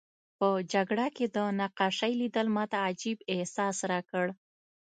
په جګړه کې د نقاشۍ لیدل ماته عجیب احساس راکړ